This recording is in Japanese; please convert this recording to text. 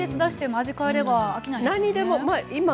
味を変えれば飽きないですね。